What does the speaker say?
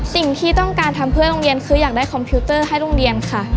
สิ่งที่ต้องการทำเพื่อโรงเรียนคืออยากได้คอมพิวเตอร์ให้โรงเรียนค่ะ